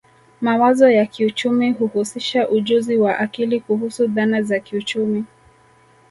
Mawazo ya kiuchumi huhusisha ujuzi wa akili kuhusu dhana za kiuchumi